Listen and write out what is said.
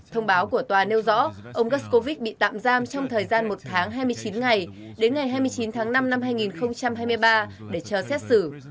thông báo của tòa nêu rõ ông gascow bị tạm giam trong thời gian một tháng hai mươi chín ngày đến ngày hai mươi chín tháng năm năm hai nghìn hai mươi ba để cho xét xử